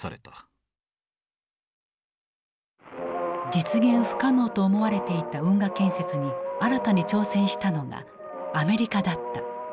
実現不可能と思われていた運河建設に新たに挑戦したのがアメリカだった。